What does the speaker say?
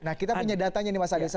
nah kita punya datanya nih mas adesa